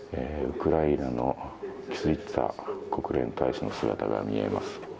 ウクライナのキスリツァ国連大使の姿が見えます。